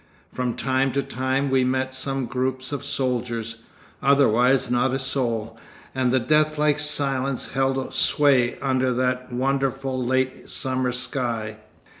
From time to time we met some groups of soldiers, otherwise not a soul, and a deathlike silence held sway under that wonderful late summer sky.